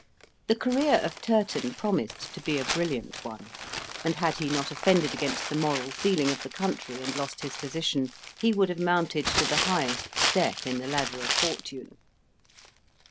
The career of Turton promised to be a brilliant one; and had he not offended against the moral feeling of the country, and lost his position, he would have mounted to the highest step in the ladder of fortune.